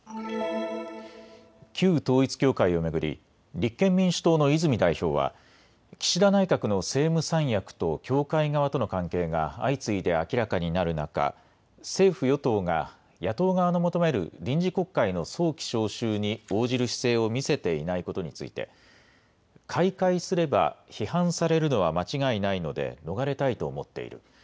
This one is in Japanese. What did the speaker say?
旧統一教会を巡り、立憲民主党の泉代表は、岸田内閣の政務三役と教会側との関係が相次いで明らかになる中、政府・与党が野党側の求める臨時国会の早期召集に応じる姿勢を見せていないことについて、開会すれば批判されるのは間違いないので逃れたいと思っている。